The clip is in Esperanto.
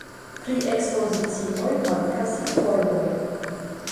Pri ekspozicioj mankas informoj.